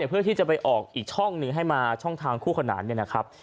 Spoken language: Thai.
เพื่อที่จะไปออกอีกช่องหนึ่งให้มาช่องทางคู่ขนานเนี่ยนะครับ